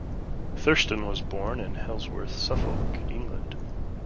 Thurston was born in Halesworth, Suffolk, England.